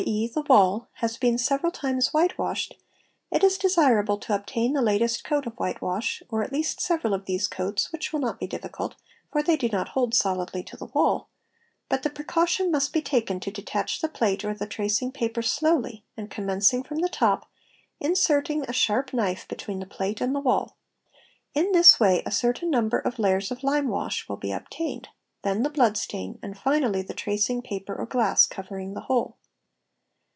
e., the wall, has been several times white — washed, it is desirable to obtain the latest coat of whitewash, or at least several of these coats, which will not be difficult, for, they do not hold solidly to the wall; but the precaution must be taken to detach the plate or the tracing paper slowly and commencing from the top, inserting a sharp knife between the plate and the wall. In this way a certain number of layers of lime wash will be obtained, then the blood stain, and _ finally the tracing paper or glass covering the whole.